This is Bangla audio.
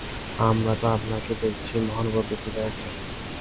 আমরা তো আপনাকে দেখছি মহানুভব ব্যক্তিদের একজন।